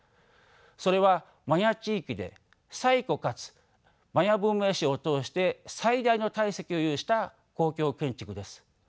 それはマヤ地域で最古かつマヤ文明史を通して最大の体積を有した公共建築です。